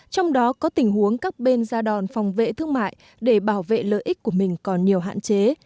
trong đó có tình huống các bên gia đòn phòng vệ thương mại để bảo vệ lợi ích của mình còn nhiều hạn chế